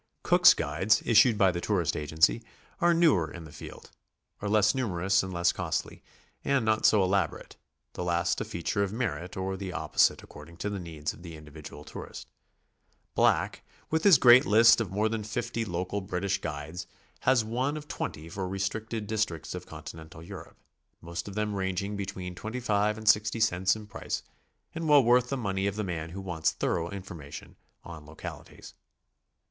Cook's guides, issued by the tourist agency, are newer in the field, are less numerous and less costly, and not so elab orate, the last a feature of merit or the opposite according to the needs of the individual tourist. Black, with his great list of more than 50 local British guides, has one of 20 for re stricted districts of continental Europe, most of them ranging between 25 and 60 cents in price, and well worth the money of the man who wants thorough information on localities.